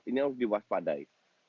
ini harus diwaspadai